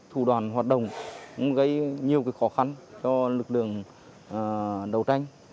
thủ đoàn hoạt động cũng gây nhiều khó khăn cho lực lượng đấu tranh